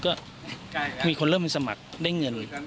ก็มีคนสมัครเยอะ